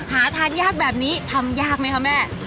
หาทานยากแบบนี้ทำยากไหมคะแม่